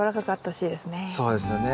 そうですよね。